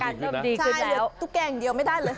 ใช่เหลือตุ๊กแกอย่างเดียวไม่ได้เลย